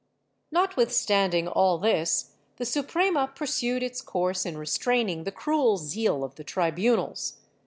^ Notwithstanding all this, the Suprema pursued its course in restraining the cruel zeal of the tribunals.